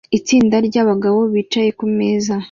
Itsinda ryabagabo bicaye kumeza